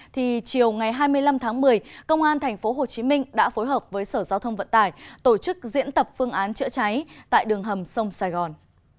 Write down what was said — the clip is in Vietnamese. thì chiều ngày hai mươi năm tháng một mươi công an tp hcm đã phối hợp với sở giao thông vận tải tổ chức diễn tập phương án chữa cháy tại đường hầm sông sài gòn